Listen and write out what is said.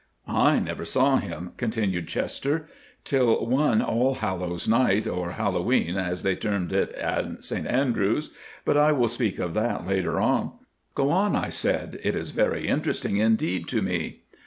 "I never saw him," continued Chester, "till one All Hallows Night, or Hallowe'en as they termed it in St Andrews; but I will speak of that later on." "Go on," I said, "it is very interesting indeed to me."